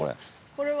これは。